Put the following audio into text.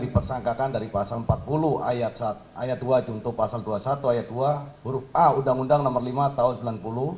dipersangkakan dari pasal empat puluh ayat dua juntuh pasal dua puluh satu ayat dua huruf a undang undang nomor lima tahun seribu sembilan ratus sembilan puluh